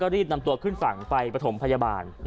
รีบนำตัวขึ้นฝั่งไปประถมพยาบาล